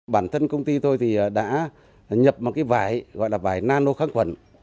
bản thân công ty tôi thì đã nhập một cái vải gọi là vải nano kháng khuẩn